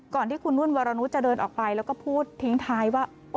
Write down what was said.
ก่อนที่คุณนุ่นวรนุษจะเดินออกไปแล้วก็พูดทิ้งท้ายว่า